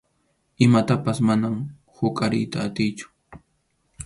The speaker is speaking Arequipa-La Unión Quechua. Imatapas manam huqariyta atiychu.